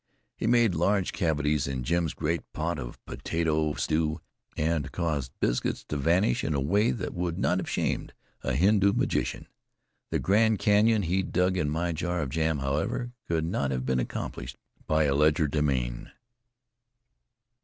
He made large cavities in Jim's great pot of potato stew, and caused biscuits to vanish in a way that would not have shamed a Hindoo magician. The Grand Canyon he dug in my jar of jam, however, could not have been accomplished by legerdemain.